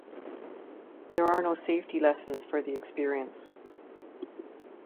There are no safety lessons for the experience.